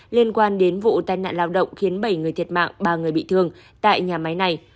liên quan đến vụ tai nạn lao động khiến bảy người thiệt mạng ba người bị thương tại nhà máy này